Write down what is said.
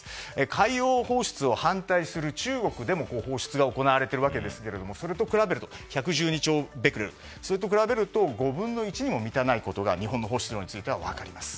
海洋放出を反対する中国でも放出が行われているわけですが１１２兆ベクレルと比べると５分の１にも満たないことが日本の放出量について分かります。